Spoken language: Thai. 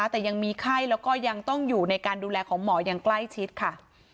แต่ยังมีไข้แล้วก็ยังต้องอยู่ในการดูแลของหมออย่างใกล้ชิดค่ะ